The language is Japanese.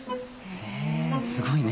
へえすごいね。